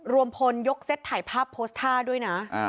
รวมพลยกเซ็ตถ่ายภาพโพสต์ท่าด้วยนะ